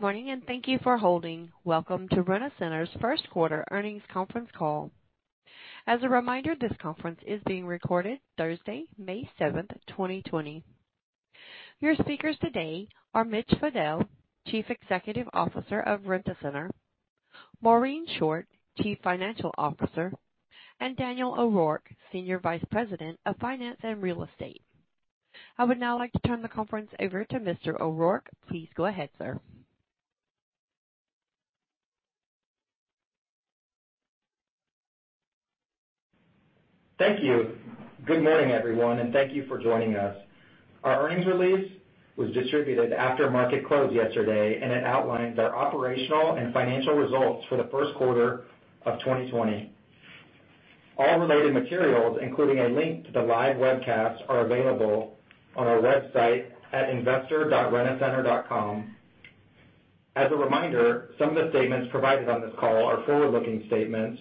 Good morning, thank you for holding. Welcome to Rent-A-Center's first quarter earnings conference call. As a reminder, this conference is being recorded Thursday, May seventh, 2020. Your speakers today are Mitch Fadel, Chief Executive Officer of Rent-A-Center, Maureen Short, Chief Financial Officer, and Daniel O'Rourke, Senior Vice President of Finance and Real Estate. I would now like to turn the conference over to Mr. O'Rourke. Please go ahead, sir. Thank you. Good morning, everyone, and thank you for joining us. Our earnings release was distributed after market close yesterday, and it outlines our operational and financial results for the first quarter of 2020. All related materials, including a link to the live webcast, are available on our website at investor.rentacenter.com. As a reminder, some of the statements provided on this call are forward-looking statements,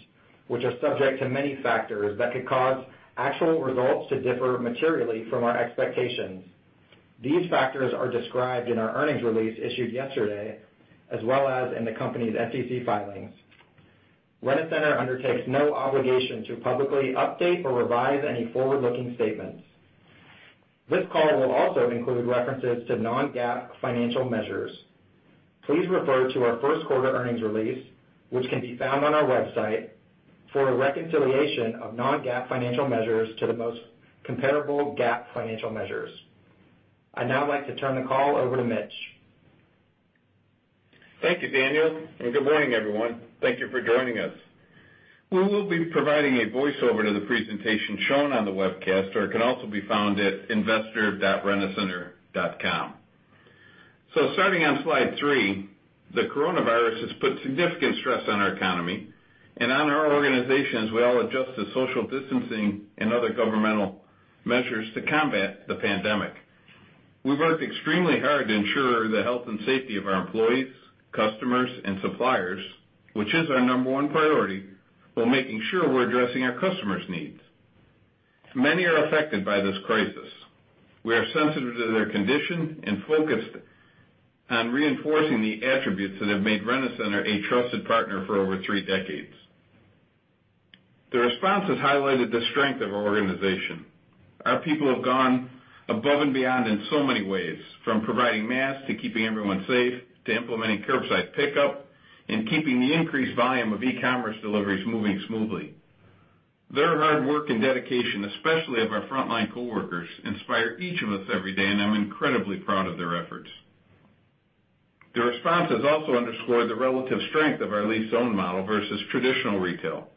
which are subject to many factors that could cause actual results to differ materially from our expectations. These factors are described in our earnings release issued yesterday, as well as in the company's SEC filings. Rent-A-Center undertakes no obligation to publicly update or revise any forward-looking statements. This call will also include references to Non-GAAP financial measures. Please refer to our first quarter earnings release, which can be found on our website, for a reconciliation of Non-GAAP financial measures to the most comparable GAAP financial measures. I'd now like to turn the call over to Mitch. Thank you, Daniel. Good morning, everyone. Thank you for joining us. We will be providing a voiceover to the presentation shown on the webcast or it can also be found at investor.rentacenter.com. Starting on slide three, the coronavirus has put significant stress on our economy and on our organizations as we all adjust to social distancing and other governmental measures to combat the pandemic. We've worked extremely hard to ensure the health and safety of our employees, customers, and suppliers, which is our number one priority, while making sure we're addressing our customers' needs. Many are affected by this crisis. We are sensitive to their condition and focused on reinforcing the attributes that have made Rent-A-Center a trusted partner for over three decades. The response has highlighted the strength of our organization. Our people have gone above and beyond in so many ways, from providing masks to keeping everyone safe, to implementing curbside pickup and keeping the increased volume of e-commerce deliveries moving smoothly. Their hard work and dedication, especially of our frontline coworkers, inspire each of us every day, and I'm incredibly proud of their efforts. The response has also underscored the relative strength of our lease-to-own model versus traditional retail.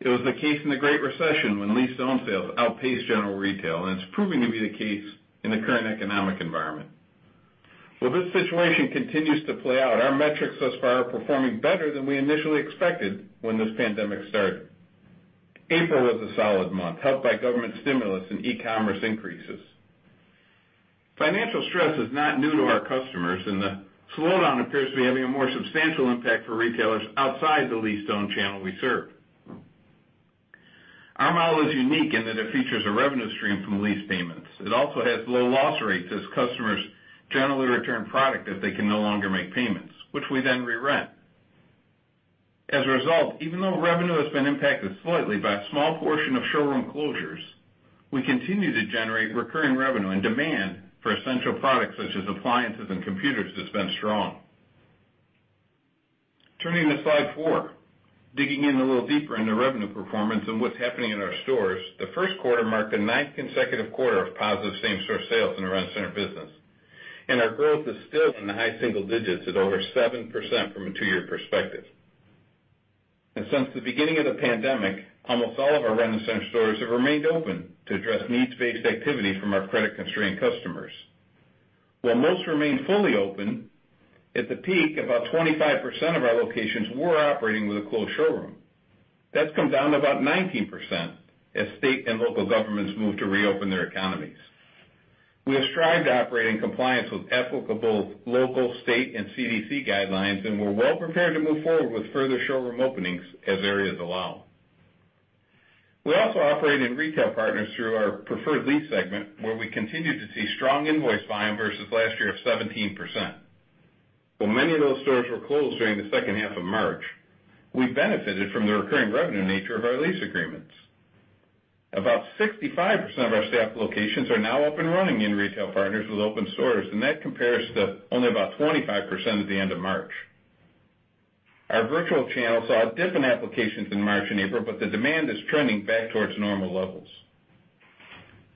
It was the case in the Great Recession when lease-to-own sales outpaced general retail, and it's proving to be the case in the current economic environment. While this situation continues to play out, our metrics thus far are performing better than we initially expected when this pandemic started. April was a solid month, helped by government stimulus and e-commerce increases. Financial stress is not new to our customers, and the slowdown appears to be having a more substantial impact for retailers outside the lease-to-own channel we serve. Our model is unique in that it features a revenue stream from lease payments. It also has low loss rates as customers generally return product if they can no longer make payments, which we then re-rent. As a result, even though revenue has been impacted slightly by a small portion of showroom closures, we continue to generate recurring revenue, and demand for essential products such as appliances and computers has been strong. Turning to slide four. Digging in a little deeper into revenue performance and what's happening in our stores, the first quarter marked the ninth consecutive quarter of positive same-store sales in the Rent-A-Center business. Our growth is still in the high single digits at over 7% from a two-year perspective. Since the beginning of the pandemic, almost all of our Rent-A-Center stores have remained open to address needs-based activity from our credit-constrained customers. While most remain fully open, at the peak, about 25% of our locations were operating with a closed showroom. That's come down to about 19% as state and local governments move to reopen their economies. We have strived to operate in compliance with applicable local, state, and CDC guidelines, and we're well prepared to move forward with further showroom openings as areas allow. We also operate in retail partners through our Preferred Lease segment, where we continue to see strong invoice volume versus last year of 17%. While many of those stores were closed during the second half of March, we benefited from the recurring revenue nature of our lease agreements. About 65% of our staffed locations are now up and running in retail partners with open stores, and that compares to only about 25% at the end of March. Our virtual channel saw a dip in applications in March and April, but the demand is trending back towards normal levels.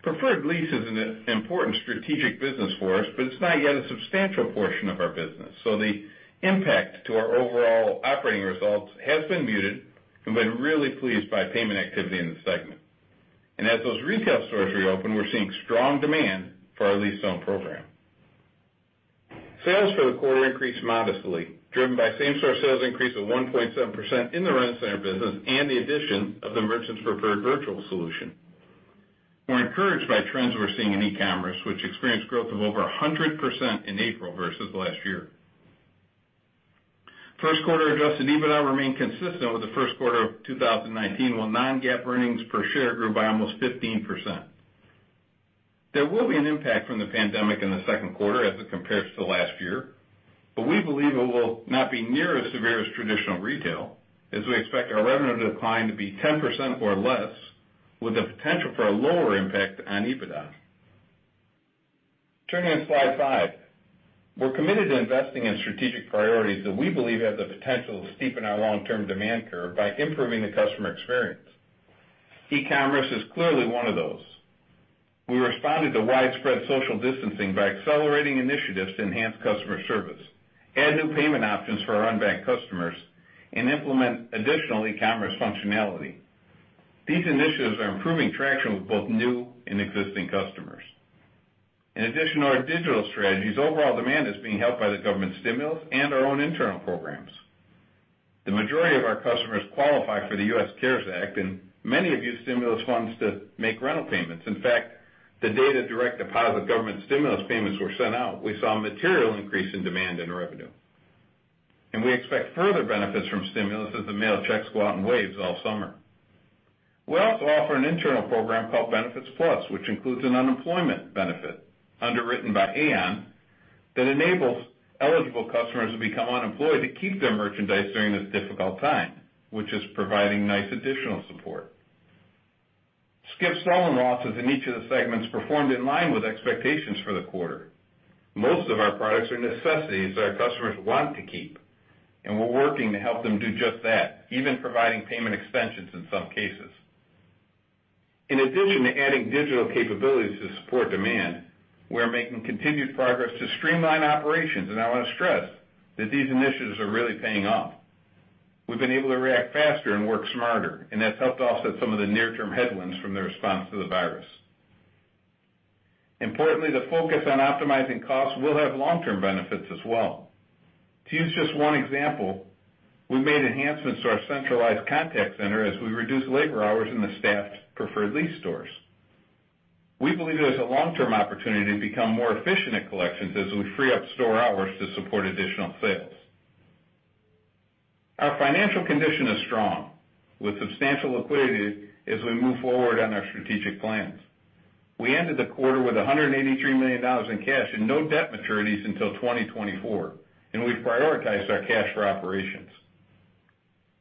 Preferred Lease is an important strategic business for us, but it's not yet a substantial portion of our business, so the impact to our overall operating results has been muted and been really pleased by payment activity in the segment. As those retail stores reopen, we're seeing strong demand for our lease-to-own program. Sales for the quarter increased modestly, driven by same-store sales increase of 1.7% in the Rent-A-Center business and the addition of the Merchants Preferred virtual solution. We're encouraged by trends we're seeing in e-commerce, which experienced growth of over 100% in April versus last year. First quarter adjusted EBITDA remained consistent with the first quarter of 2019, while Non-GAAP earnings per share grew by almost 15%. There will be an impact from the pandemic in the second quarter as it compares to last year, but we believe it will not be near as severe as traditional retail, as we expect our revenue decline to be 10% or less, with the potential for a lower impact on EBITDA. Turning on slide five. We're committed to investing in strategic priorities that we believe have the potential to steepen our long-term demand curve by improving the customer experience. E-commerce is clearly one of those. We responded to widespread social distancing by accelerating initiatives to enhance customer service, add new payment options for our unbanked customers, and implement additional e-commerce functionality. These initiatives are improving traction with both new and existing customers. In addition to our digital strategies, overall demand is being helped by the government stimulus and our own internal programs. The majority of our customers qualify for the CARES Act, and many have used stimulus funds to make rental payments. In fact, the day the direct deposit government stimulus payments were sent out, we saw a material increase in demand and revenue. We expect further benefits from stimulus as the mail checks go out in waves all summer. We also offer an internal program called Benefits Plus, which includes an unemployment benefit underwritten by Aon that enables eligible customers who become unemployed to keep their merchandise during this difficult time, which is providing nice additional support. Skip/stolen losses in each of the segments performed in line with expectations for the quarter. Most of our products are necessities that our customers want to keep, and we're working to help them do just that, even providing payment extensions in some cases. In addition to adding digital capabilities to support demand, we are making continued progress to streamline operations, and I want to stress that these initiatives are really paying off. We've been able to react faster and work smarter, and that's helped offset some of the near-term headwinds from the response to the virus. Importantly, the focus on optimizing costs will have long-term benefits as well. To use just one example, we made enhancements to our centralized contact center as we reduced labor hours in the staffed Preferred Lease stores. We believe there's a long-term opportunity to become more efficient at collections as we free up store hours to support additional sales. Our financial condition is strong, with substantial liquidity as we move forward on our strategic plans. We ended the quarter with $183 million in cash and no debt maturities until 2024, and we've prioritized our cash for operations.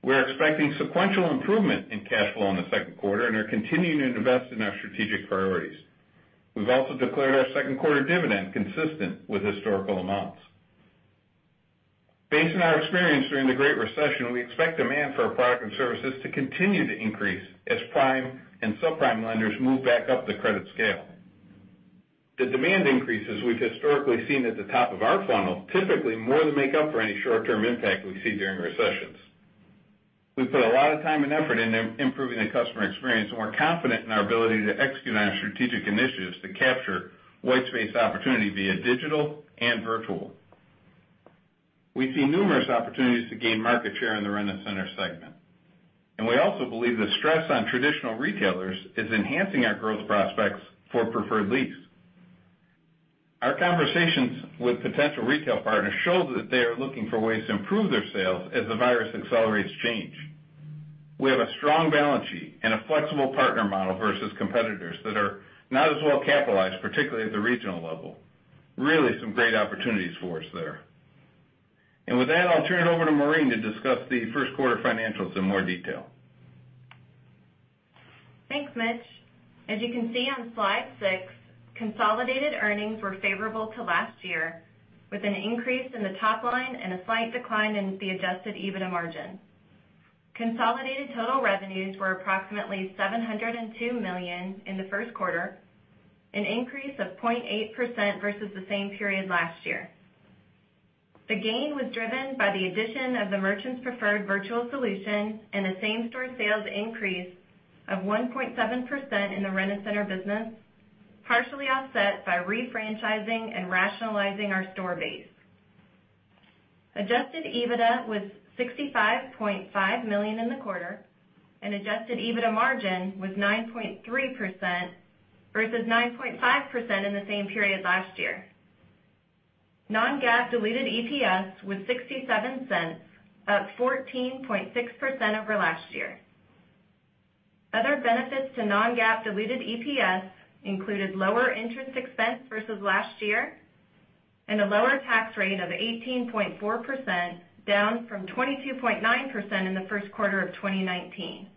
We're expecting sequential improvement in cash flow in the second quarter and are continuing to invest in our strategic priorities. We've also declared our second quarter dividend consistent with historical amounts. Based on our experience during the Great Recession, we expect demand for our products and services to continue to increase as prime and subprime lenders move back up the credit scale. The demand increases we've historically seen at the top of our funnel typically more than make up for any short-term impact we see during recessions. We've put a lot of time and effort into improving the customer experience, and we're confident in our ability to execute on our strategic initiatives to capture whitespace opportunity via digital and virtual. We see numerous opportunities to gain market share in the Rent-A-Center segment, and we also believe the stress on traditional retailers is enhancing our growth prospects for Preferred Lease. Our conversations with potential retail partners show that they are looking for ways to improve their sales as the virus accelerates change. We have a strong balance sheet and a flexible partner model versus competitors that are not as well capitalized, particularly at the regional level. Really some great opportunities for us there. With that, I'll turn it over to Maureen to discuss the first quarter financials in more detail. Thanks, Mitch. As you can see on slide six, consolidated earnings were favorable to last year, with an increase in the top line and a slight decline in the adjusted EBITDA margin. Consolidated total revenues were approximately $702 million in the first quarter, an increase of 0.8% versus the same period last year. The gain was driven by the addition of the Merchants Preferred virtual solution and a same-store sales increase of 1.7% in the Rent-A-Center business, partially offset by refranchising and rationalizing our store base. Adjusted EBITDA was $65.5 million in the quarter. Adjusted EBITDA margin was 9.3% versus 9.5% in the same period last year. Non-GAAP diluted EPS was $0.67, up 14.6% over last year. Other benefits to Non-GAAP diluted EPS included lower interest expense versus last year and a lower tax rate of 18.4%, down from 22.9% in the first quarter of 2019.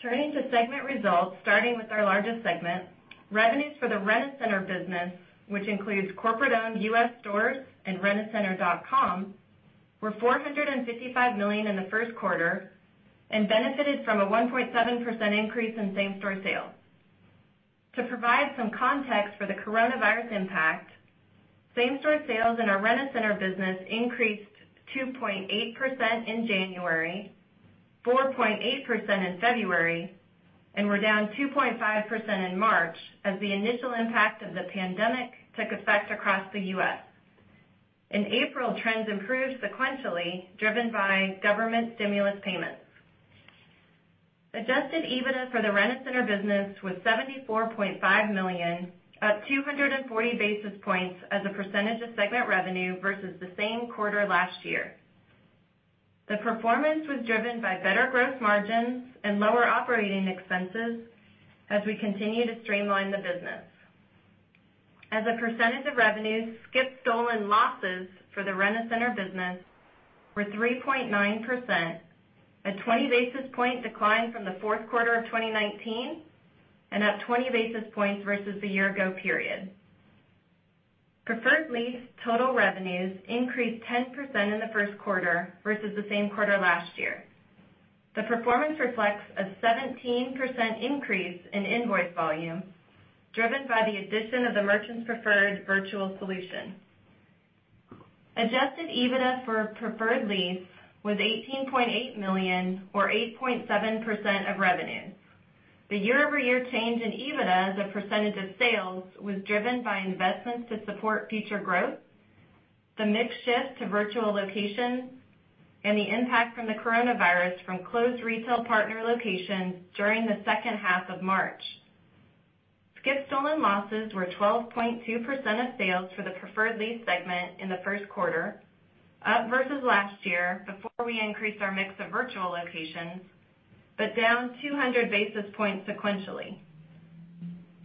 Turning to segment results, starting with our largest segment, revenues for the Rent-A-Center business, which includes corporate-owned U.S. stores and rentacenter.com, were $455 million in the first quarter and benefited from a 1.7% increase in same-store sales. To provide some context for the coronavirus impact, same-store sales in our Rent-A-Center business increased 2.8% in January, 4.8% in February, and were down 2.5% in March as the initial impact of the pandemic took effect across the U.S. In April, trends improved sequentially, driven by government stimulus payments. Adjusted EBITDA for the Rent-A-Center business was $74.5 million, up 240 basis points as a percentage of segment revenue versus the same quarter last year. The performance was driven by better gross margins and lower operating expenses as we continue to streamline the business. As a percentage of revenues, skip/stolen losses for the Rent-A-Center business were 3.9%, a 20 basis point decline from the fourth quarter of 2019, and up 20 basis points versus the year-ago period. Preferred Lease total revenues increased 10% in the first quarter versus the same quarter last year. The performance reflects a 17% increase in invoice volume, driven by the addition of the Merchants Preferred virtual solution. Adjusted EBITDA for Preferred Lease was $18.8 million or 8.7% of revenue. The year-over-year change in EBITDA as a percentage of sales was driven by investments to support future growth, the mix shift to virtual locations, and the impact from the coronavirus from closed retail partner locations during the second half of March. Skip-stolen losses were 12.2% of sales for the Preferred Lease segment in the first quarter, up versus last year before we increased our mix of virtual locations, but down 200 basis points sequentially.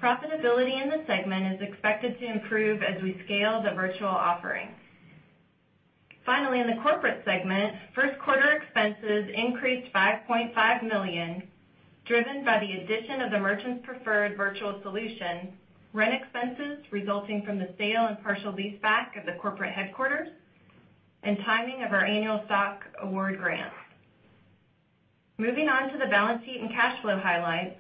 Profitability in the segment is expected to improve as we scale the virtual offerings. Finally, in the corporate segment, first quarter expenses increased $5.5 million, driven by the addition of the Merchants Preferred virtual solution, rent expenses resulting from the sale and partial leaseback of the corporate headquarters, and timing of our annual stock award grants. Moving on to the balance sheet and cash flow highlights.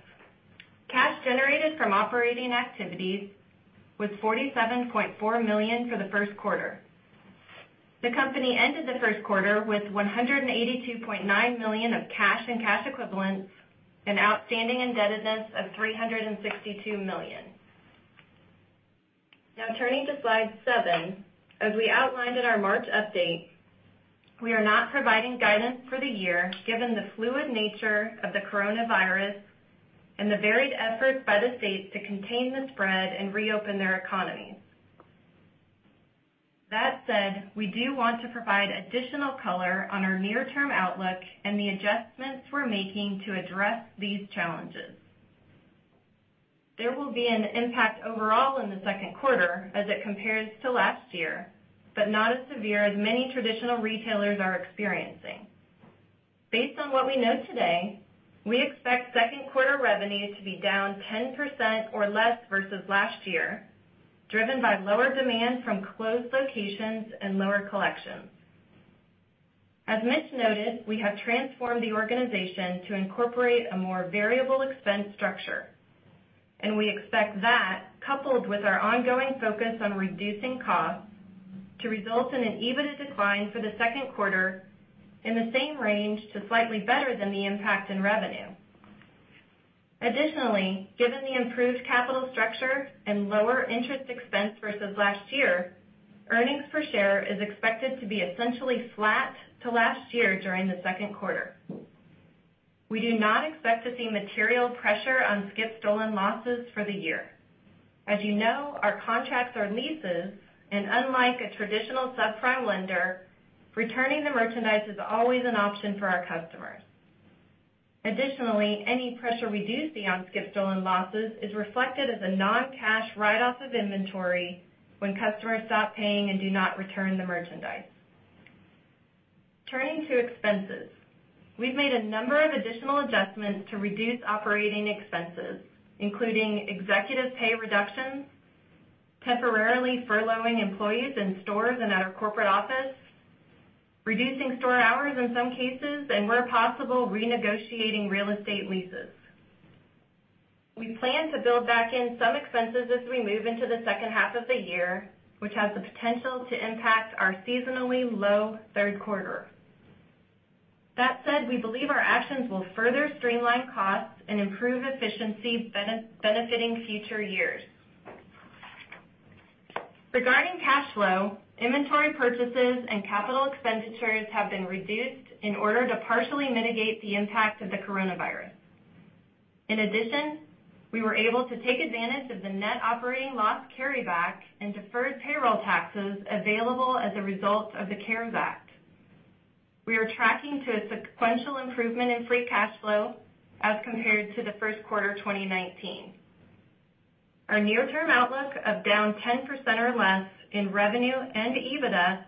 Cash generated from operating activities was $47.4 million for the first quarter. The company ended the first quarter with $182.9 million of cash and cash equivalents and outstanding indebtedness of $362 million. Now turning to slide seven. As we outlined in our March update, we are not providing guidance for the year given the fluid nature of the coronavirus and the varied efforts by the states to contain the spread and reopen their economies. That said, we do want to provide additional color on our near-term outlook and the adjustments we're making to address these challenges. There will be an impact overall in the second quarter as it compares to last year, but not as severe as many traditional retailers are experiencing. Based on what we know today, we expect second quarter revenue to be down 10% or less versus last year, driven by lower demand from closed locations and lower collections. As Mitch noted, we have transformed the organization to incorporate a more variable expense structure, and we expect that, coupled with our ongoing focus on reducing costs, to result in an EBITDA decline for the second quarter in the same range to slightly better than the impact in revenue. Given the improved capital structure and lower interest expense versus last year, earnings per share is expected to be essentially flat to last year during the second quarter. We do not expect to see material pressure on skip/stolen losses for the year. As you know, our contracts are leases, and unlike a traditional subprime lender, returning the merchandise is always an option for our customers. Any pressure we do see on skip/stolen losses is reflected as a non-cash write-off of inventory when customers stop paying and do not return the merchandise. Turning to expenses. We've made a number of additional adjustments to reduce operating expenses, including executive pay reductions, temporarily furloughing employees in stores and at our corporate office, reducing store hours in some cases, and where possible, renegotiating real estate leases. We plan to build back in some expenses as we move into the second half of the year, which has the potential to impact our seasonally low third quarter. That said, we believe our actions will further streamline costs and improve efficiency, benefiting future years. Regarding cash flow, inventory purchases and capital expenditures have been reduced in order to partially mitigate the impact of the coronavirus. In addition, we were able to take advantage of the net operating loss carryback and deferred payroll taxes available as a result of the CARES Act. We are tracking to a sequential improvement in free cash flow as compared to the first quarter 2019. Our near-term outlook of down 10% or less in revenue and EBITDA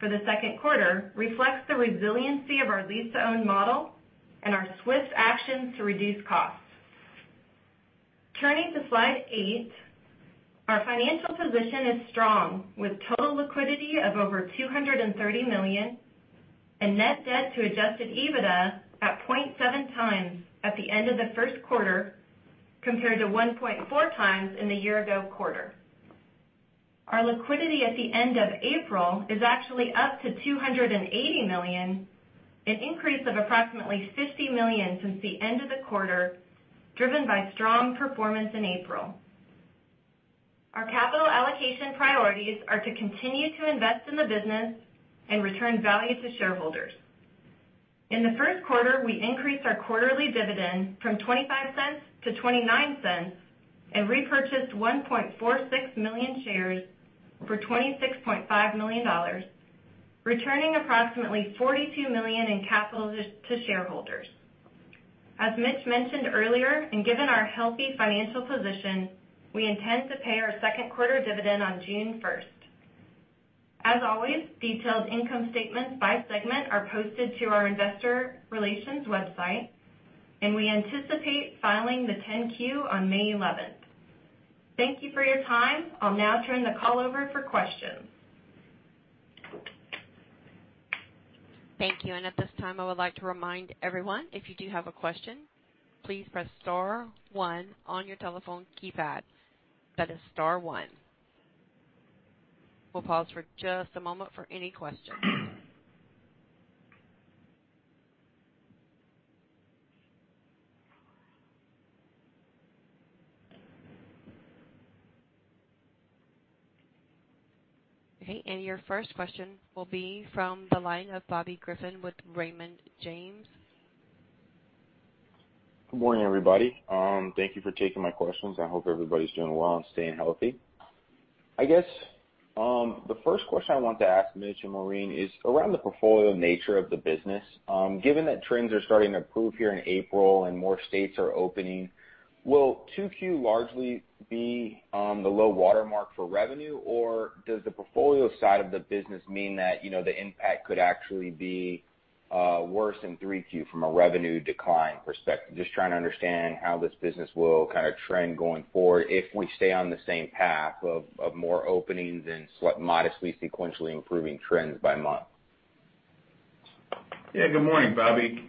for the second quarter reflects the resiliency of our lease-to-own model and our swift actions to reduce costs. Turning to slide eight, our financial position is strong with total liquidity of over $230 million and net debt to adjusted EBITDA at 0.7 times at the end of the first quarter, compared to 1.4 times in the year-ago quarter. Our liquidity at the end of April is actually up to $280 million, an increase of approximately $50 million since the end of the quarter, driven by strong performance in April. Our capital allocation priorities are to continue to invest in the business and return value to shareholders. In the first quarter, we increased our quarterly dividend from $0.25-$0.29 and repurchased 1.46 million shares for $26.5 million, returning approximately $42 million in capital to shareholders. As Mitch mentioned earlier, and given our healthy financial position, we intend to pay our second quarter dividend on June 1st. As always, detailed income statements by segment are posted to our investor relations website, and we anticipate filing the 10-Q on May 11th. Thank you for your time. I'll now turn the call over for questions. Thank you. At this time, I would like to remind everyone, if you do have a question, please press star one on your telephone keypad. That is star one. We'll pause for just a moment for any questions. Okay, your first question will be from the line of Bobby Griffin with Raymond James. Good morning, everybody. Thank you for taking my questions. I hope everybody's doing well and staying healthy. I guess, the first question I want to ask Mitch and Maureen is around the portfolio nature of the business. Given that trends are starting to improve here in April and more states are opening, will 2Q largely be the low water mark for revenue, or does the portfolio side of the business mean that the impact could actually be worse than 3Q from a revenue decline perspective? Just trying to understand how this business will kind of trend going forward if we stay on the same path of more openings and modestly sequentially improving trends by month. Yeah. Good morning, Bobby.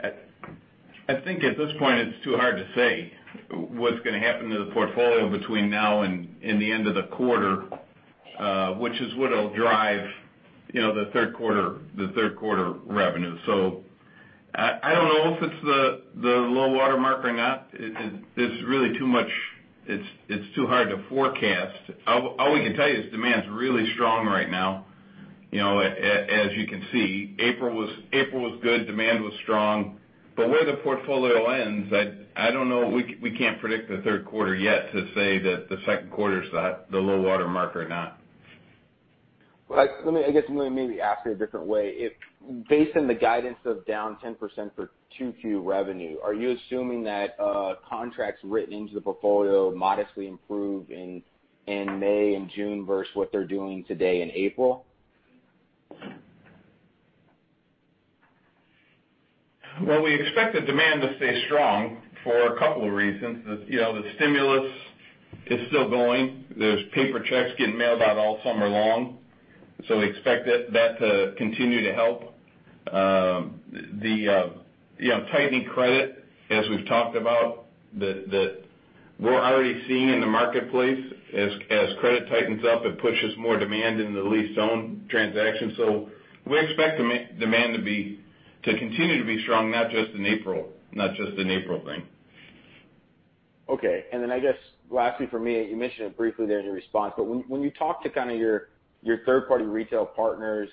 I think at this point, it's too hard to say what's going to happen to the portfolio between now and the end of the quarter, which is what'll drive the third quarter revenue. I don't know if it's the low water mark or not. It's too hard to forecast. All we can tell you is demand's really strong right now. As you can see, April was good. Demand was strong. Where the portfolio ends, I don't know. We can't predict the third quarter yet to say that the second quarter's the low water mark or not. Well, I guess let me maybe ask it a different way. Based on the guidance of down 10% for 2Q revenue, are you assuming that contracts written into the portfolio modestly improve in May and June versus what they're doing today in April? Well, we expect the demand to stay strong for a couple of reasons. The stimulus is still going. There's paper checks getting mailed out all summer long. We expect that to continue to help. The tightening credit, as we've talked about, that we're already seeing in the marketplace, as credit tightens up, it pushes more demand into the lease-own transaction. We expect demand to continue to be strong, not just an April thing. Okay. I guess lastly from me, you mentioned it briefly there in your response, but when you talk to kind of your third-party retail partners,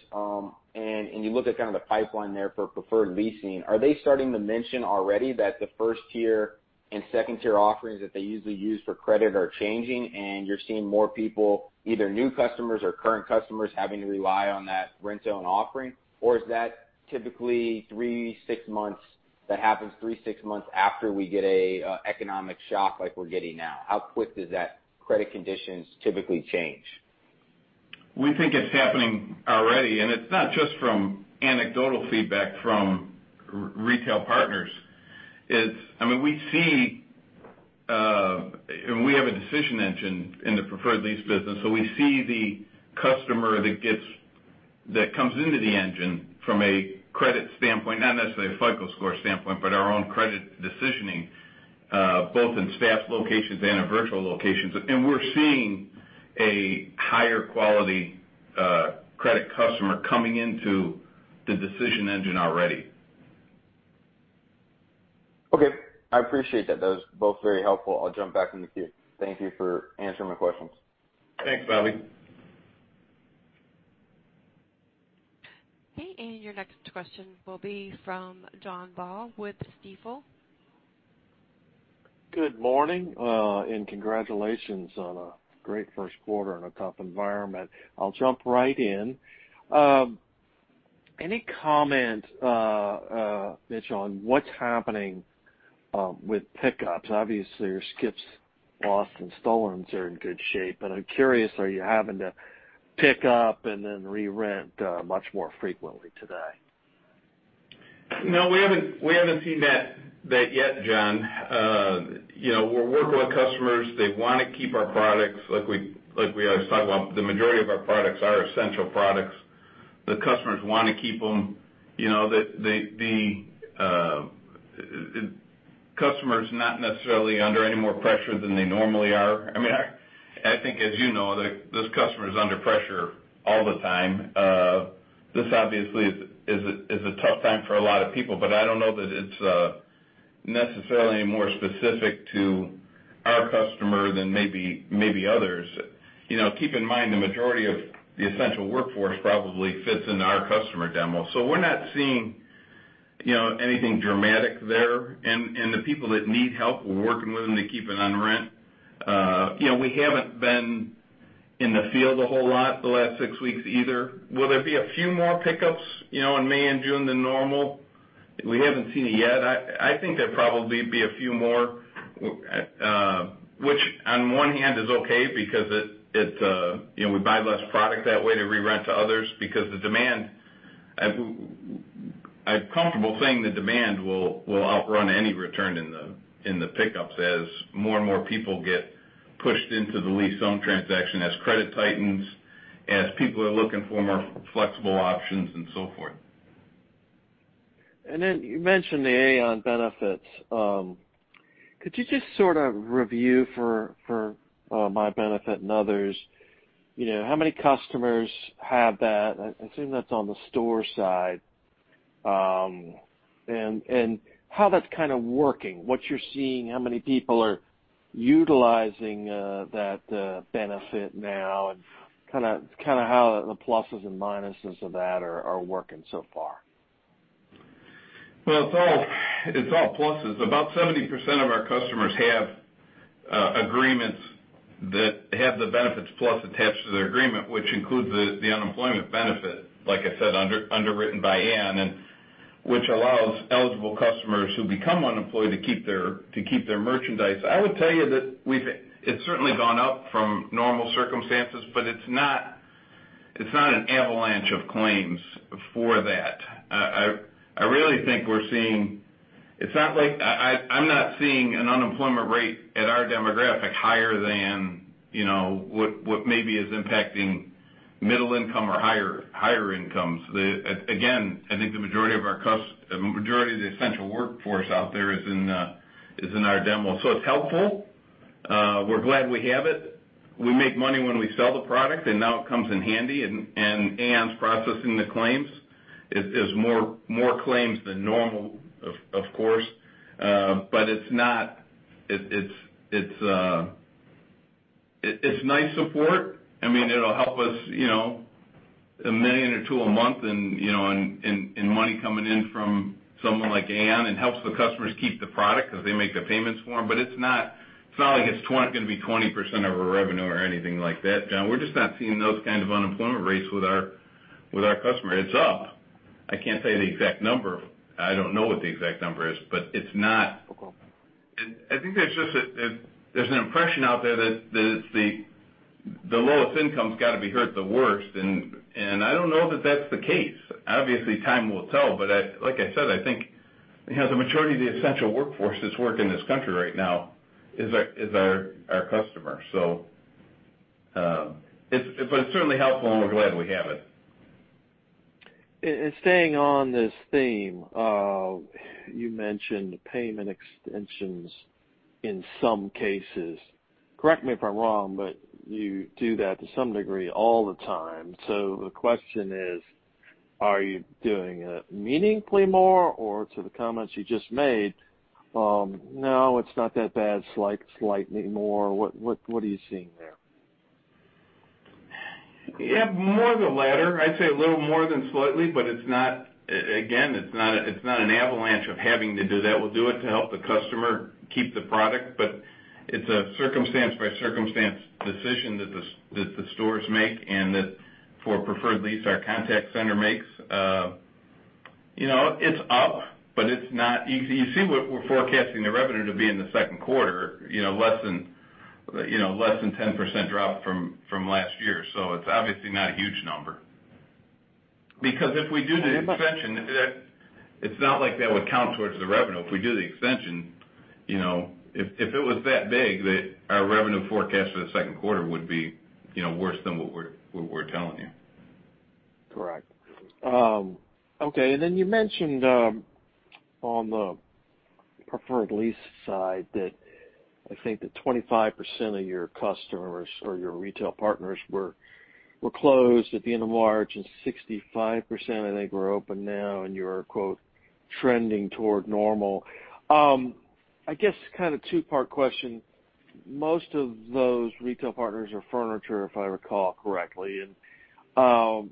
and you look at kind of the pipeline there for Preferred Lease, are they starting to mention already that the 1st tier and 2nd tier offerings that they usually use for credit are changing, and you're seeing more people, either new customers or current customers, having to rely on that rent-to-own offering? Or is that typically that happens three, six months after we get an economic shock like we're getting now? How quick does that credit conditions typically change? We think it's happening already, and it's not just from anecdotal feedback from retail partners. We have a decision engine in the Preferred Lease business, so we see the customer that comes into the engine from a credit standpoint, not necessarily a FICO score standpoint, but our own credit decisioning, both in staffed locations and in virtual locations. We're seeing a higher quality credit customer coming into the decision engine already. Okay. I appreciate that. That was both very helpful. I'll jump back in the queue. Thank you for answering my questions. Thanks, Bobby. Okay, your next question will be from John Baugh with Stifel. Good morning. Congratulations on a great first quarter in a tough environment. I'll jump right in. Any comment, Mitch Fadel, on what's happening with pickups? Obviously, your skips, lost and stolens are in good shape, but I'm curious, are you having to pick up and then re-rent much more frequently today? We haven't seen that yet, John. We're working with customers. They want to keep our products, like we always talk about, the majority of our products are essential products. The customers want to keep them. The customer's not necessarily under any more pressure than they normally are. I think, as you know, those customers are under pressure all the time. This obviously is a tough time for a lot of people, but I don't know that it's necessarily more specific to our customer than maybe others. Keep in mind, the majority of the essential workforce probably fits into our customer demo. We're not seeing anything dramatic there, and the people that need help, we're working with them to keep it on rent. We haven't been in the field a whole lot the last six weeks either. Will there be a few more pickups, in May and June than normal? We haven't seen it yet. I think there'd probably be a few more, which on one hand is okay because we buy less product that way to re-rent to others because I'm comfortable saying the demand will outrun any return in the pickups as more and more people get pushed into the lease-to-own transaction as credit tightens, as people are looking for more flexible options and so forth. You mentioned the Aon benefits. Could you just sort of review for my benefit and others, how many customers have that? I assume that's on the store side, and how that's kind of working, what you're seeing, how many people are utilizing that benefit now, and kind of how the pluses and minuses of that are working so far. Well, it's all pluses. About 70% of our customers have agreements that have the Benefits Plus attached to their agreement, which includes the unemployment benefit, like I said, underwritten by Aon, and which allows eligible customers who become unemployed to keep their merchandise. I would tell you that it's certainly gone up from normal circumstances, it's not an avalanche of claims for that. I'm not seeing an unemployment rate at our demographic higher than what maybe is impacting middle income or higher incomes. I think the majority of the essential workforce out there is in our demo. It's helpful. We're glad we have it. We make money when we sell the product, now it comes in handy, Aon's processing the claims. It's more claims than normal, of course. It's nice support. It'll help us, $1 million or $2 a month in money coming in from someone like Aon and helps the customers keep the product because they make the payments for them. It's not like it's going to be 20% of our revenue or anything like that, John. We're just not seeing those kind of unemployment rates with our customer. It's up. I can't tell you the exact number. I don't know what the exact number is, but it's not. Okay. I think there's an impression out there that the lowest incomes got to be hurt the worst, and I don't know that that's the case. Obviously, time will tell, but like I said, I think the majority of the essential workforce that's working in this country right now is our customer. It's certainly helpful, and we're glad we have it. Staying on this theme, you mentioned payment extensions in some cases. Correct me if I'm wrong, but you do that to some degree all the time. The question is, are you doing it meaningfully more, or to the comments you just made, no, it's not that bad, slightly more? What are you seeing there? Yeah, more the latter. I'd say a little more than slightly. Again, it's not an avalanche of having to do that. We'll do it to help the customer keep the product. It's a circumstance by circumstance decision that the stores make, and that for Preferred Lease, our contact center makes. It's up. You see what we're forecasting the revenue to be in the second quarter, less than 10% drop from last year. It's obviously not a huge number. If we do the extension, it's not like that would count towards the revenue. If we do the extension, if it was that big, that our revenue forecast for the second quarter would be worse than what we're telling you. Correct. You mentioned on the Preferred Lease side that I think that 25% of your customers or your retail partners were closed at the end of March and 65%, I think, were open now and you're, quote, "trending toward normal." I guess kind of two-part question. Most of those retail partners are furniture, if I recall correctly, and I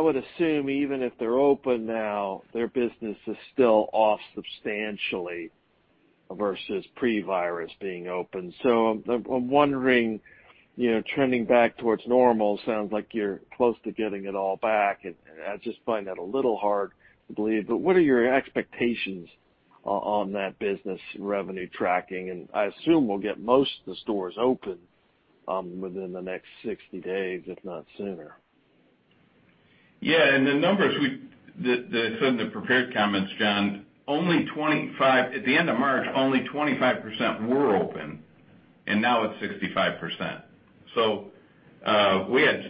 would assume even if they're open now, their business is still off substantially versus pre-virus being open. I'm wondering, trending back towards normal sounds like you're close to getting it all back, and I just find that a little hard to believe, but what are your expectations on that business revenue tracking? I assume we'll get most of the stores open within the next 60 days, if not sooner. Yeah. The numbers, it's in the prepared comments, John, at the end of March, only 25% were open, and now it's 65%. We had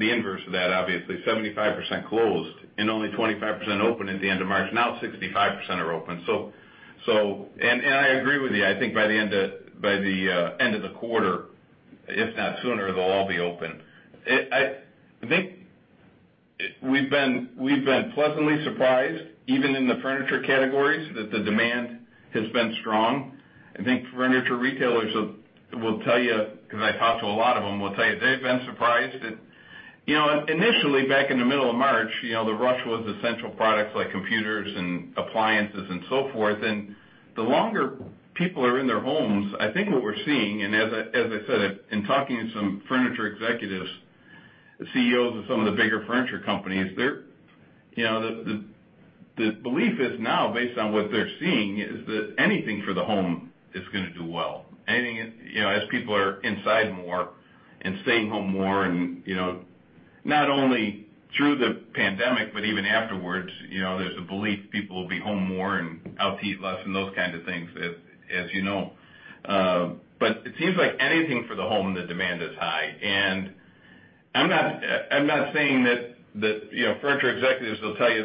the inverse of that, obviously, 75% closed and only 25% open at the end of March. Now 65% are open. I agree with you. I think by the end of the quarter, if not sooner, they'll all be open. I think we've been pleasantly surprised, even in the furniture categories, that the demand has been strong. I think furniture retailers will tell you, because I talk to a lot of them, will tell you they've been surprised that initially, back in the middle of March, the rush was essential products like computers and appliances and so forth. The longer people are in their homes, I think what we're seeing, and as I said, in talking to some furniture executives, CEOs of some of the bigger furniture companies, the belief is now, based on what they're seeing, is that anything for the home is going to do well. As people are inside more and staying home more, not only through the pandemic, but even afterwards, there's a belief people will be home more and out to eat less and those kinds of things, as you know. It seems like anything for the home, the demand is high. I'm not saying that furniture executives will tell you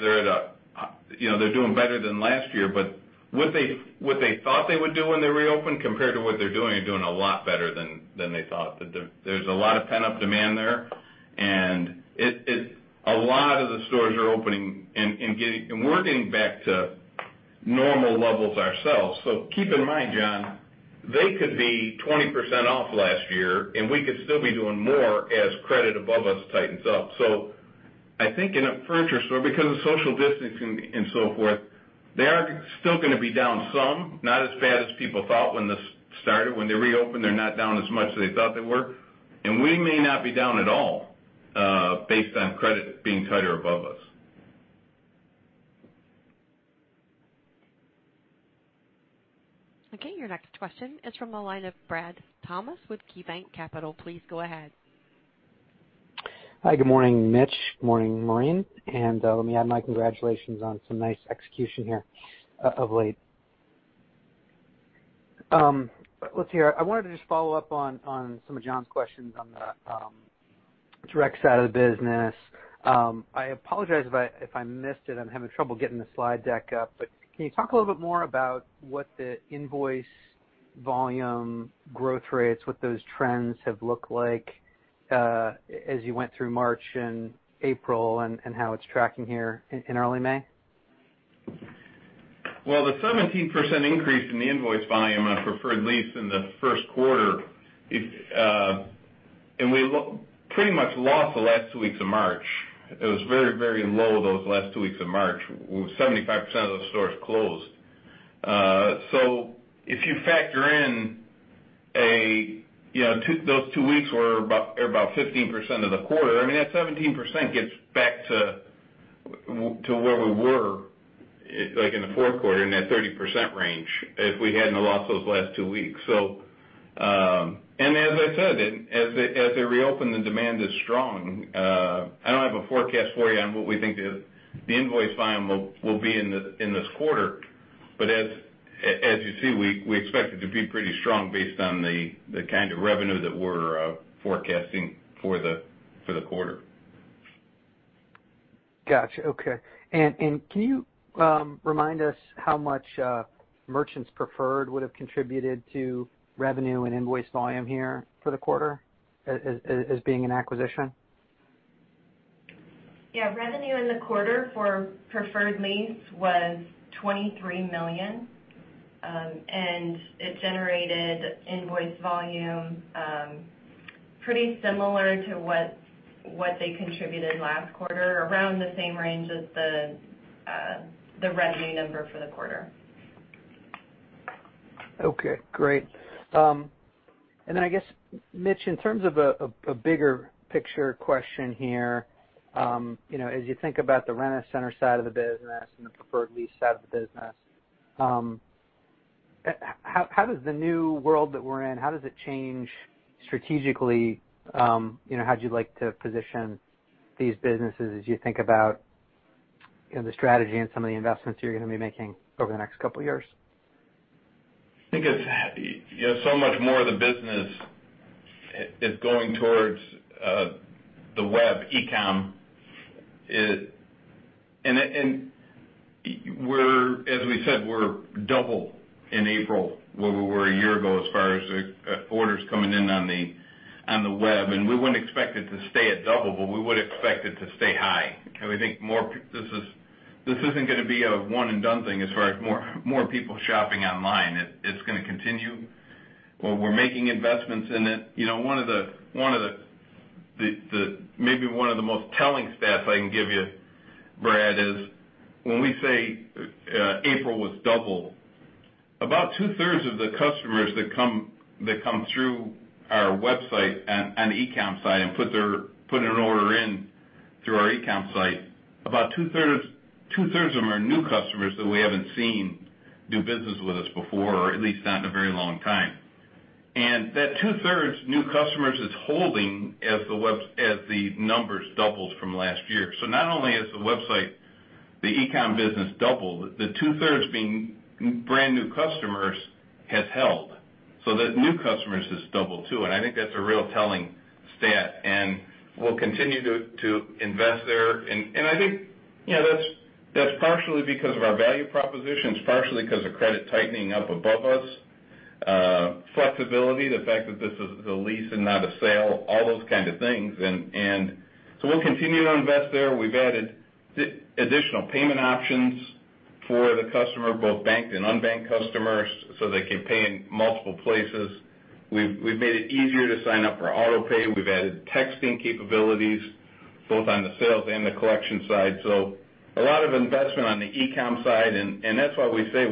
they're doing better than last year, but what they thought they would do when they reopened compared to what they're doing, they're doing a lot better than they thought. There's a lot of pent-up demand there, and a lot of the stores are opening, and we're getting back to normal levels ourselves. Keep in mind, John, they could be 20% off last year, and we could still be doing more as credit above us tightens up. I think in a furniture store, because of social distancing and so forth, they are still going to be down some, not as bad as people thought when this started. When they reopened, they're not down as much as they thought they were. We may not be down at all, based on credit being tighter above us. Okay. Your next question is from the line of Brad Thomas with KeyBanc Capital. Please go ahead. Hi, good morning, Mitch. Morning, Maureen. Let me add my congratulations on some nice execution here of late. Let's see, I wanted to just follow up on some of John's questions on the direct side of the business. I apologize if I missed it. I'm having trouble getting the slide deck up. Can you talk a little bit more about what the invoice volume growth rates, what those trends have looked like as you went through March and April, and how it's tracking here in early May? Well, the 17% increase in the invoice volume on Preferred Lease in the first quarter. We pretty much lost the last two weeks of March. It was very low those last two weeks of March, with 75% of the stores closed. If you factor in those two weeks were about 15% of the quarter, I mean, that 17% gets back to where we were in the fourth quarter, in that 30% range, if we hadn't have lost those last two weeks. As I said, as they reopen, the demand is strong. I don't have a forecast for you on what we think the invoice volume will be in this quarter. As you see, we expect it to be pretty strong based on the kind of revenue that we're forecasting for the quarter. Got you. Okay. Can you remind us how much Merchants Preferred would have contributed to revenue and invoice volume here for the quarter as being an acquisition? Yeah. Revenue in the quarter for Preferred Lease was $23 million. It generated invoice volume pretty similar to what they contributed last quarter, around the same range as the revenue number for the quarter. Okay, great. I guess, Mitch, in terms of a bigger picture question here, as you think about the Rent-A-Center side of the business and the Preferred Lease side of the business, how does the new world that we're in, how does it change strategically how you'd like to position these businesses as you think about the strategy and some of the investments you're going to be making over the next couple of years? I think so much more of the business is going towards the web, e-com. As we said, we're double in April where we were a year ago as far as the orders coming in on the web. We wouldn't expect it to stay at double, but we would expect it to stay high because we think this isn't going to be a one and done thing as far as more people shopping online. It's going to continue. We're making investments in it. Maybe one of the most telling stats I can give you, Brad, is when we say April was double, about two-thirds of the customers that come through our website and e-com site and put an order in through our e-com site, about two-thirds of them are new customers that we haven't seen do business with us before, or at least not in a very long time. That two-thirds new customers is holding as the numbers doubles from last year. Not only has the website, the e-com business doubled, the two-thirds being brand new customers has held. The new customers has doubled too, and I think that's a real telling stat, and we'll continue to invest there. I think that's partially because of our value propositions, partially because of credit tightening up above us, flexibility, the fact that this is a lease and not a sale, all those kind of things. We'll continue to invest there. We've added additional payment options for the customer, both banked and unbanked customers, so they can pay in multiple places. We've made it easier to sign up for auto pay. We've added texting capabilities both on the sales and the collection side. A lot of investment on the e-com side, That's why we say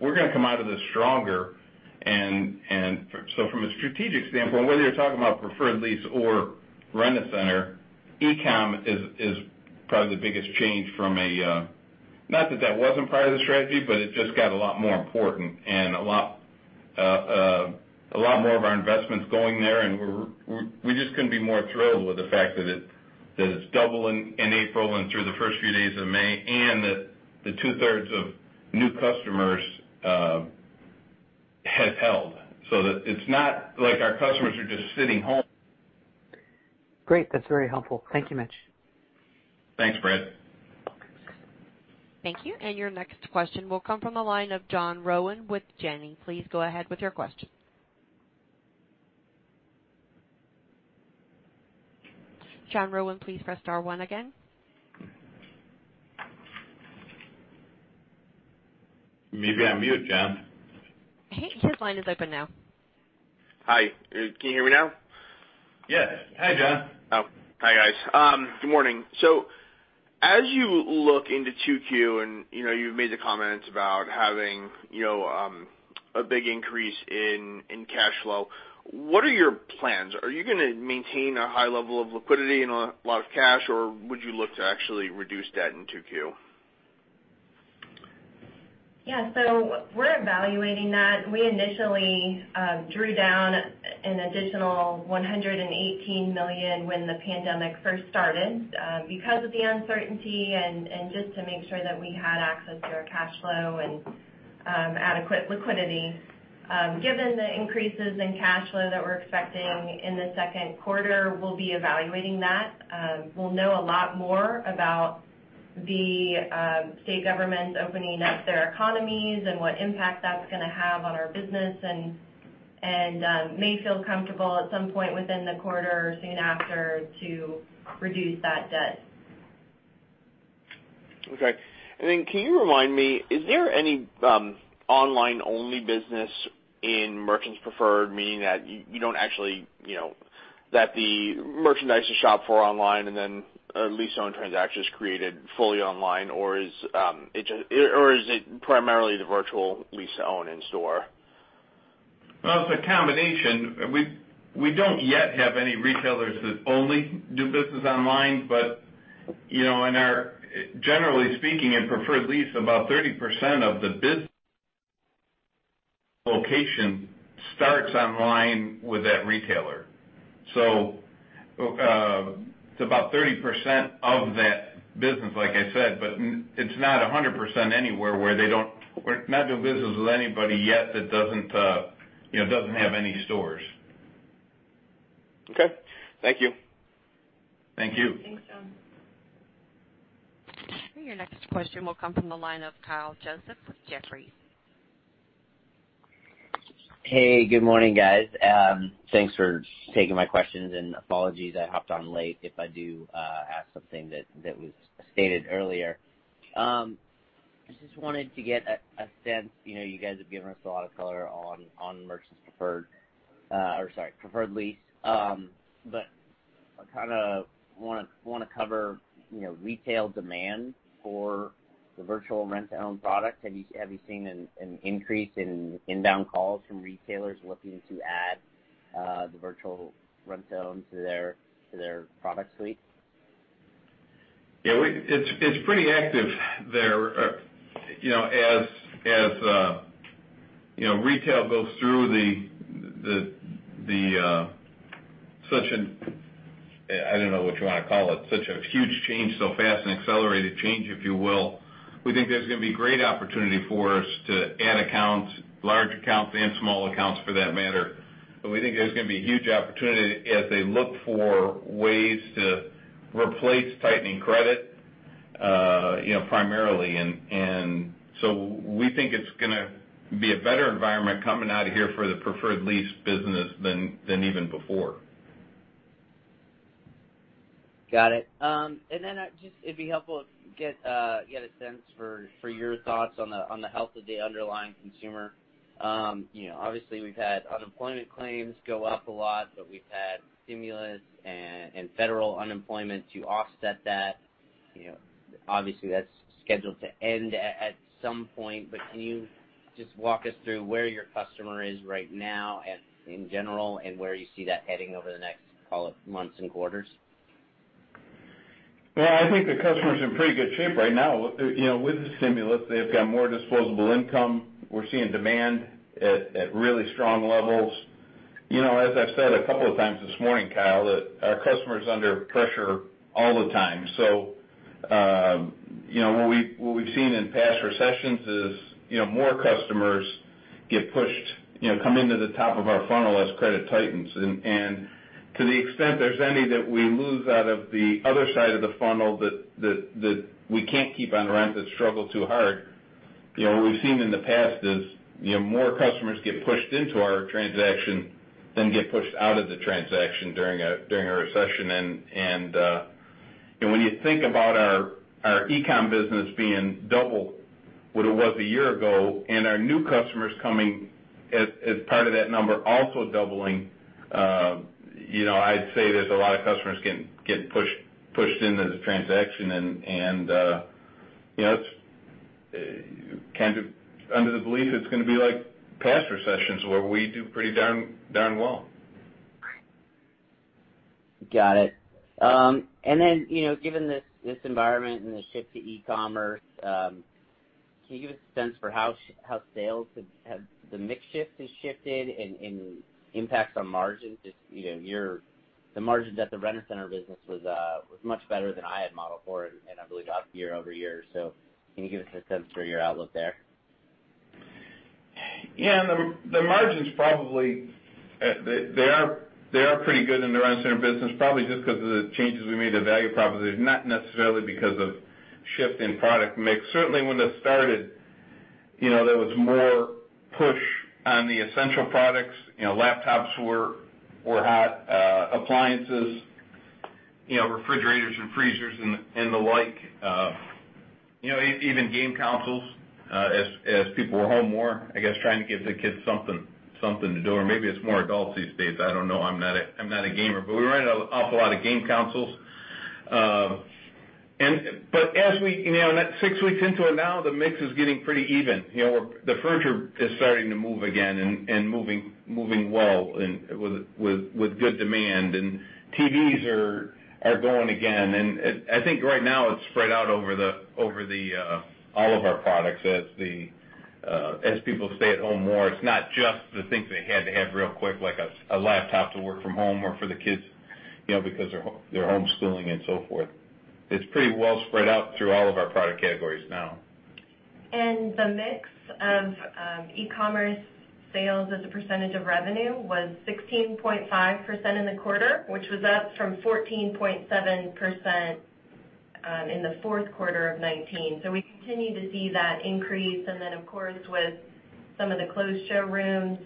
we're going to come out of this stronger. From a strategic standpoint, whether you're talking about Preferred Lease or rent-to-own, e-com is probably the biggest change, not that that wasn't part of the strategy, but it just got a lot more important and a lot more of our investments going there, and we just couldn't be more thrilled with the fact that it's double in April and through the first few days of May, and that the two-thirds of new customers have held. It's not like our customers are just sitting home. Great. That's very helpful. Thank you, Mitch. Thanks, Brad. Thank you. Your next question will come from the line of John Rowan with Janney. Please go ahead with your question. John Rowan, please press star one again. Maybe you're on mute, John. I think his line is open now. Hi, can you hear me now? Yes. Hi, John. Oh, hi guys. Good morning. As you look into Q2 and you've made the comments about having a big increase in cash flow, what are your plans? Are you going to maintain a high level of liquidity and a lot of cash, or would you look to actually reduce debt in Q2? Yeah. We're evaluating that. We initially drew down an additional $118 million when the pandemic first started because of the uncertainty and just to make sure that we had access to our cash flow and adequate liquidity. Given the increases in cash flow that we're expecting in the second quarter, we'll be evaluating that. We'll know a lot more about the state governments opening up their economies and what impact that's going to have on our business and may feel comfortable at some point within the quarter or soon after to reduce that debt. Okay. Can you remind me, is there any online-only business in Merchants Preferred, meaning that the merchandise is shopped for online and then a lease-own transaction is created fully online, or is it primarily the virtual lease own in store? It's a combination. We don't yet have any retailers that only do business online, but generally speaking, in Preferred Lease, about 30% of the business location starts online with that retailer. It's about 30% of that business, like I said, but it's not 100% anywhere. We're not doing business with anybody yet that doesn't have any stores. Okay. Thank you. Thank you. Thanks, John. Your next question will come from the line of Kyle Joseph with Jefferies. Hey, good morning, guys. Thanks for taking my questions, and apologies I hopped on late if I do ask something that was stated earlier. I just wanted to get a sense, you guys have given us a lot of color on Merchants Preferred, or sorry, Preferred Lease. I kind of want to cover retail demand for the virtual rent-to-own product. Have you seen an increase in inbound calls from retailers looking to add the virtual rent-to-own to their product suite? Yeah, it's pretty active there. As retail goes through the, I don't know what you want to call it, such a huge change so fast, an accelerated change, if you will. We think there's going to be great opportunity for us to add accounts, large accounts and small accounts for that matter. We think there's going to be a huge opportunity as they look for ways to replace tightening credit primarily. We think it's going to be a better environment coming out of here for the Preferred Lease business than even before. Got it. Just, it'd be helpful to get a sense for your thoughts on the health of the underlying consumer. Obviously, we've had unemployment claims go up a lot, we've had stimulus and federal unemployment to offset that. Obviously, that's scheduled to end at some point, can you just walk us through where your customer is right now in general and where you see that heading over the next, call it, months and quarters? Well, I think the customer's in pretty good shape right now. With the stimulus, they've got more disposable income. We're seeing demand at really strong levels. As I've said a couple of times this morning, Kyle, that our customer's under pressure all the time. What we've seen in past recessions is more customers get pushed, come into the top of our funnel as credit tightens. To the extent there's any that we lose out of the other side of the funnel that we can't keep on rent, that struggle too hard, what we've seen in the past is more customers get pushed into our transaction than get pushed out of the transaction during a recession. When you think about our e-com business being double what it was a year ago, and our new customers coming as part of that number also doubling, I'd say there's a lot of customers getting pushed into the transaction and, under the belief it's going to be like past recessions, where we do pretty darn well. Got it. Given this environment and the shift to e-commerce, can you give a sense for how sales have the mix shifted, and impacts on margins? Just, the margin that the Rent-A-Center business was much better than I had modeled for, and I believe up year-over-year. Can you give us a sense for your outlook there? Yeah. The margins probably, they are pretty good in the Rent-A-Center business, probably just because of the changes we made to value proposition, not necessarily because of shift in product mix. Certainly, when this started, there was more push on the essential products. Laptops were hot. Appliances, refrigerators and freezers and the like. Even game consoles, as people were home more, I guess, trying to give the kids something to do, or maybe it's more adults these days. I don't know. I'm not a gamer, but we rented an awful lot of game consoles. Six weeks into it now, the mix is getting pretty even. The furniture is starting to move again, and moving well and with good demand, and TVs are going again. I think right now it's spread out over all of our products as people stay at home more. It's not just the things they had to have real quick, like a laptop to work from home or for the kids, because they're homeschooling and so forth. It's pretty well spread out through all of our product categories now. The mix of e-commerce sales as a percentage of revenue was 16.5% in the quarter, which was up from 14.7% in the fourth quarter of 2019. We continue to see that increase, and then, of course, with some of the closed showrooms,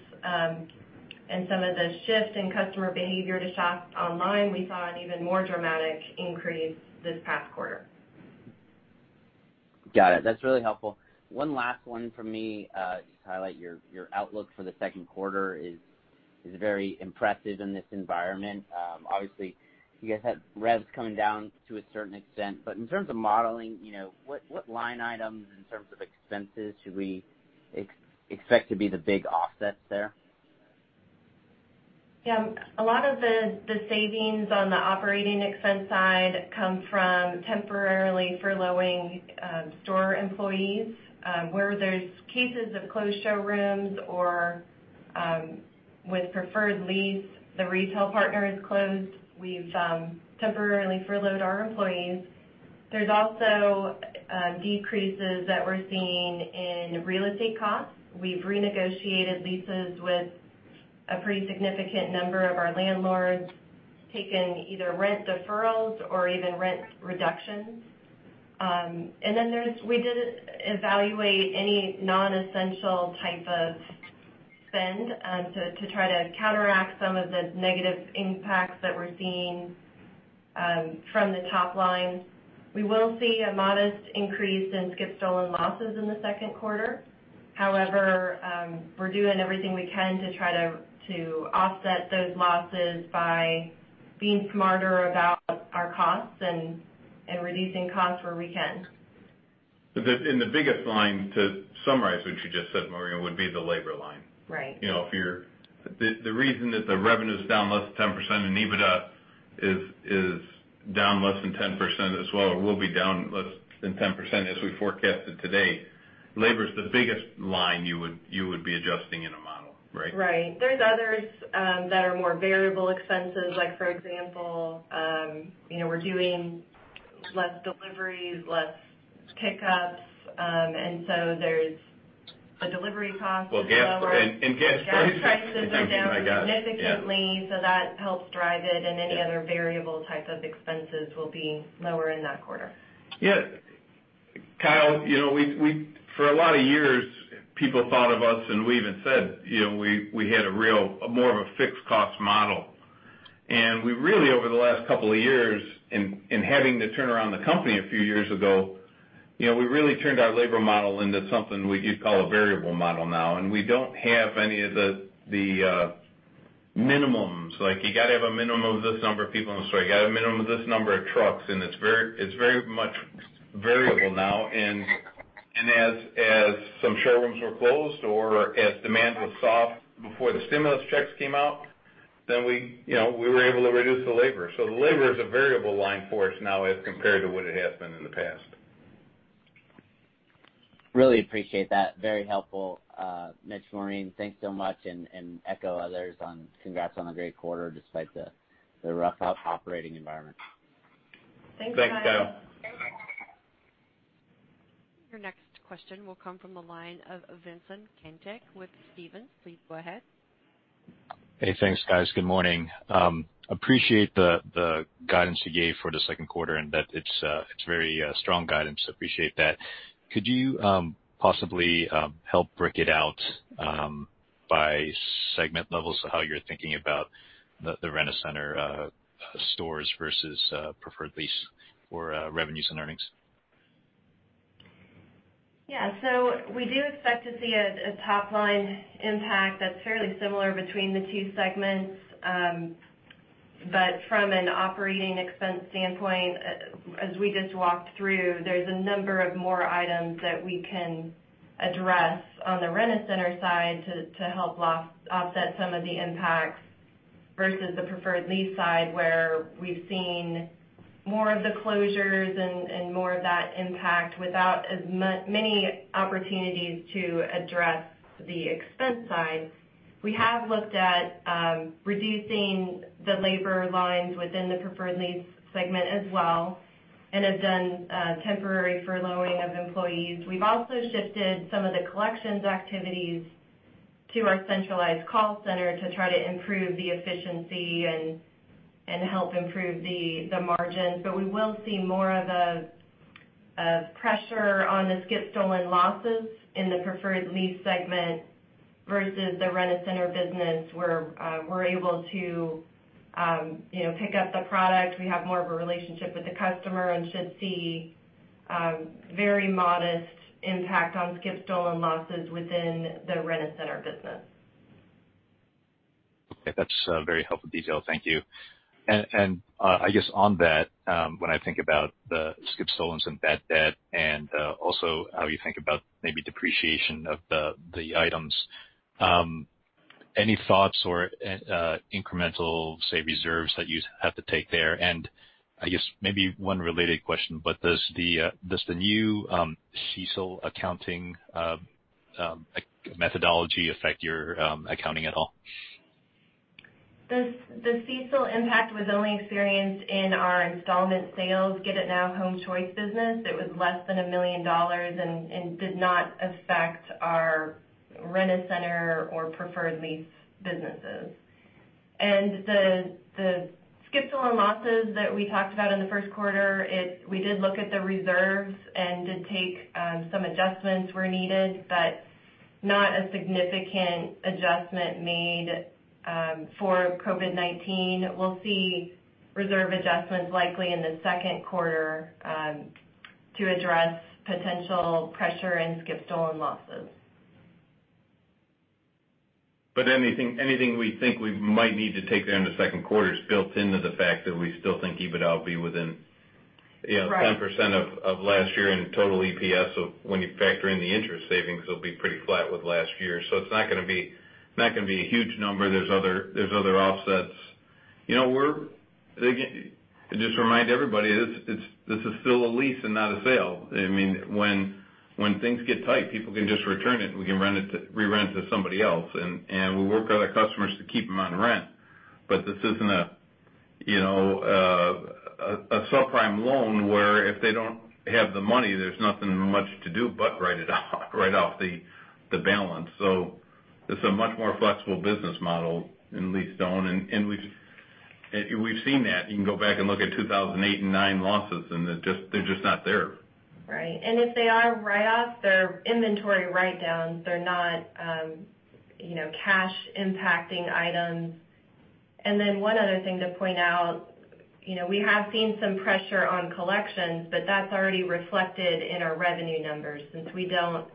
and some of the shift in customer behavior to shop online, we saw an even more dramatic increase this past quarter. Got it. That's really helpful. One last one from me. Just highlight your outlook for the second quarter is very impressive in this environment. Obviously, you guys had revs coming down to a certain extent. In terms of modeling, what line items in terms of expenses should we expect to be the big offsets there? Yeah. A lot of the savings on the operating expense side come from temporarily furloughing store employees. Where there's cases of closed showrooms or, with Preferred Lease, the retail partner is closed, we've temporarily furloughed our employees. There's also decreases that we're seeing in real estate costs. We've renegotiated leases with a pretty significant number of our landlords, taken either rent deferrals or even rent reductions. We did evaluate any non-essential type of spend, to try to counteract some of the negative impacts that we're seeing from the top line. We will see a modest increase in skip stolen losses in the second quarter. However, we're doing everything we can to try to offset those losses by being smarter about our costs and reducing costs where we can. The biggest line, to summarize what you just said, Maureen, would be the labor line. Right. The reason that the revenue's down less than 10% and EBITDA is down less than 10% as well, or will be down less than 10% as we forecasted today, labor's the biggest line you would be adjusting in a model, right? Right. There's others that are more variable expenses, like for example, we're doing less deliveries, less pickups. There's the delivery costs are lower. Well, gas prices. Gas prices are down significantly. I got it, yeah. That helps drive it, and any other variable type of expenses will be lower in that quarter. Yeah. Kyle, for a lot of years, people thought of us and we even said, we had a real, more of a fixed cost model. We really, over the last couple of years, in having to turn around the company a few years ago, we really turned our labor model into something we call a variable model now. We don't have any of the minimums. Like you got to have a minimum of this number of people in the store. You got a minimum of this number of trucks, and it's very much variable now and as some showrooms were closed or as demand was soft before the stimulus checks came out, then we were able to reduce the labor. The labor is a variable line for us now as compared to what it has been in the past. Really appreciate that. Very helpful. Mitch, Maureen, thanks so much and echo others on congrats on a great quarter despite the rough operating environment. Thanks, Kyle. Your next question will come from the line of Vincent Caintic with Stephens. Please go ahead. Hey, thanks guys. Good morning. Appreciate the guidance you gave for the second quarter and that it's very strong guidance, appreciate that. Could you possibly help break it out by segment levels of how you're thinking about the Rent-A-Center stores versus Preferred Lease for revenues and earnings? Yeah. We do expect to see a top-line impact that's fairly similar between the two segments. From an operating expense standpoint, as we just walked through, there's a number of more items that we can address on the Rent-A-Center side to help offset some of the impacts versus the Preferred Lease side, where we've seen more of the closures and more of that impact without as many opportunities to address the expense side. We have looked at reducing the labor lines within the Preferred Lease segment as well, and have done temporary furloughing of employees. We've also shifted some of the collections activities to our centralized call center to try to improve the efficiency and help improve the margins. We will see more of a pressure on the skip/stolen losses in the Preferred Lease segment versus the Rent-A-Center business, where we're able to pick up the product. We have more of a relationship with the customer and should see very modest impact on skip/stolen losses within the Rent-A-Center business. Okay. That's a very helpful detail. Thank you. I guess on that, when I think about the skip-stolens and bad debt and also how you think about maybe depreciation of the items, any thoughts or incremental, say, reserves that you have to take there? I guess maybe one related question, but does the new CECL accounting methodology affect your accounting at all? The CECL impact was only experienced in our installment sales Get It Now Home Choice business. It was less than $1 million and did not affect our Rent-A-Center or Preferred Lease businesses. The skip-stolen losses that we talked about in the first quarter, we did look at the reserves and did take some adjustments where needed, but not a significant adjustment made for COVID-19. We'll see reserve adjustments likely in the second quarter to address potential pressure and skip-stolen losses. Anything we think we might need to take there in the second quarter is built into the fact that we still think EBITDA will be within 10% of last year in total EPS. When you factor in the interest savings, it'll be pretty flat with last year. It's not going to be a huge number. There's other offsets. To just remind everybody, this is still a lease and not a sale. When things get tight, people can just return it and we can re-rent it to somebody else. We work with our customers to keep them on rent. This isn't a subprime loan where if they don't have the money, there's nothing much to do but write it off the balance. It's a much more flexible business model in lease-own, and we've seen that. You can go back and look at 2008 and 2009 losses, and they're just not there. Right. If they are write-offs, they're inventory write-downs. They're not cash-impacting items. One other thing to point out, we have seen some pressure on collections, but that's already reflected in our revenue numbers since we don't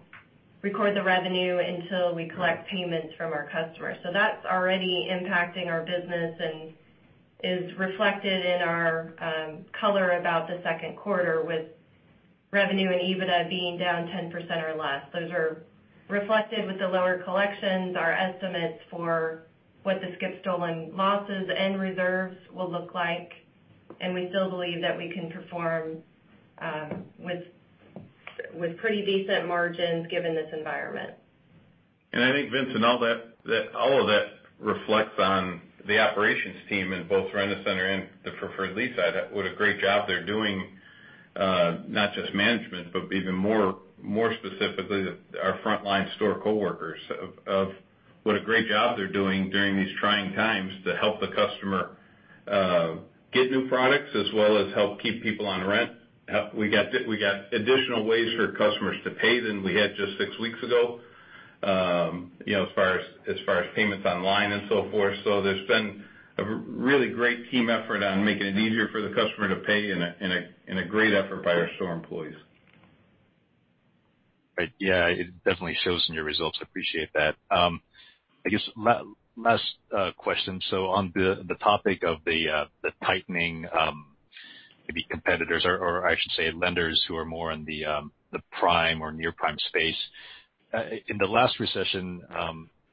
record the revenue until we collect payments from our customers. That's already impacting our business and is reflected in our color about the second quarter with revenue and EBITDA being down 10% or less. Those are reflected with the lower collections, our estimates for what the skip-stolen losses and reserves will look like, and we still believe that we can perform with pretty decent margins given this environment. I think, Vincent, all of that reflects on the operations team in both Rent-A-Center and the Preferred Lease side, what a great job they're doing. Not just management, but even more specifically, our frontline store coworkers of what a great job they're doing during these trying times to help the customer get new products as well as help keep people on rent. We got additional ways for customers to pay than we had just six weeks ago as far as payments online and so forth. There's been a really great team effort on making it easier for the customer to pay and a great effort by our store employees. Right. Yeah, it definitely shows in your results. I appreciate that. I guess last question. On the topic of the tightening, maybe competitors, or I should say lenders who are more in the prime or near-prime space. In the last recession,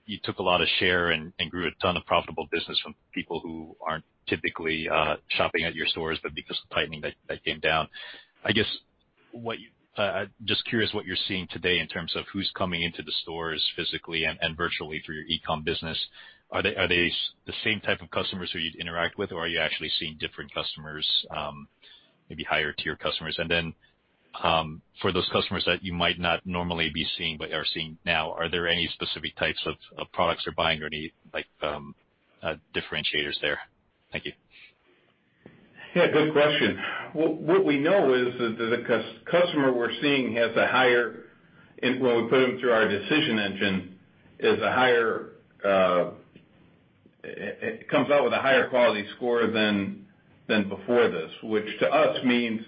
you took a lot of share and grew a ton of profitable business from people who aren't typically shopping at your stores, but because of tightening, they came down. Just curious what you're seeing today in terms of who's coming into the stores physically and virtually through your e-com business. Are they the same type of customers who you'd interact with or are you actually seeing different customers, maybe higher tier customers? For those customers that you might not normally be seeing but are seeing now, are there any specific types of products they're buying or any differentiators there? Thank you. Good question. What we know is that the customer we're seeing, when we put them through our decision engine, comes out with a higher quality score than before this, which to us means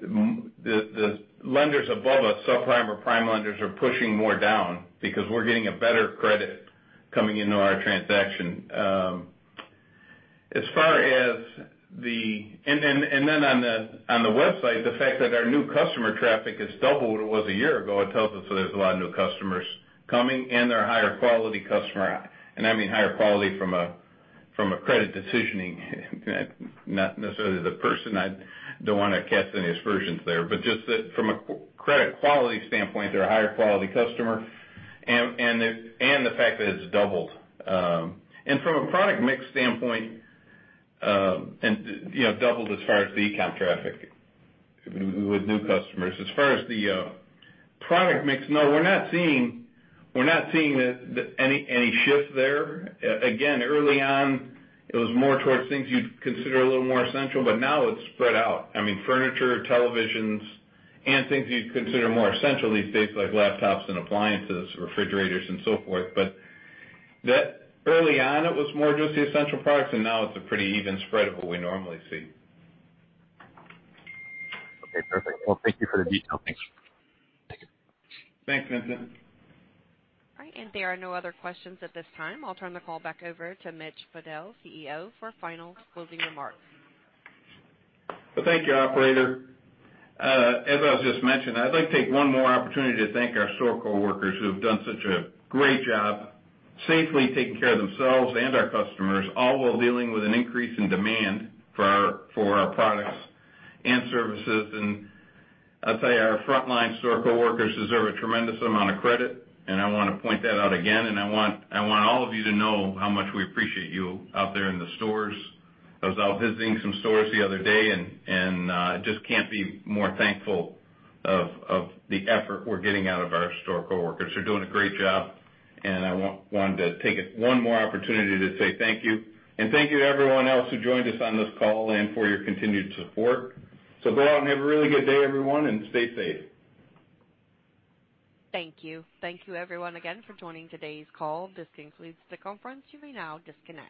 the lenders above us, subprime or prime lenders, are pushing more down because we're getting a better credit coming into our transaction. On the website, the fact that our new customer traffic has doubled what it was a year ago, it tells us that there's a lot of new customers coming, and they're a higher quality customer. I mean higher quality from a credit decisioning, not necessarily the person. I don't want to catch any aspersions there. Just that from a credit quality standpoint, they're a higher quality customer, and the fact that it's doubled. From a product mix standpoint, doubled as far as the e-com traffic with new customers. As far as the product mix, no, we're not seeing any shift there. Again, early on, it was more towards things you'd consider a little more essential, but now it's spread out. Furniture, televisions, and things you'd consider more essential these days, like laptops and appliances, refrigerators and so forth. Early on, it was more just the essential products, and now it's a pretty even spread of what we normally see. Okay, perfect. Thank you for the detail. Thanks. Thanks, Vincent. All right. There are no other questions at this time. I'll turn the call back over to Mitch Fadel, CEO, for final closing remarks. Well, thank you, operator. As I just mentioned, I'd like to take one more opportunity to thank our store coworkers who have done such a great job safely taking care of themselves and our customers, all while dealing with an increase in demand for our products and services. I'll tell you, our frontline store coworkers deserve a tremendous amount of credit, and I want to point that out again, and I want all of you to know how much we appreciate you out there in the stores. I was out visiting some stores the other day, and I just can't be more thankful of the effort we're getting out of our store coworkers. They're doing a great job, and I wanted to take one more opportunity to say thank you. Thank you to everyone else who joined us on this call and for your continued support. Go out and have a really good day, everyone, and stay safe. Thank you. Thank you everyone again for joining today's call. This concludes the conference. You may now disconnect.